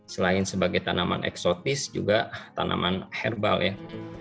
selain sebagai tanaman eksotis juga tanaman herbal ya